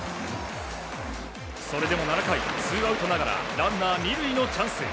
それでも７回、ツーアウトながらランナー２塁のチャンス。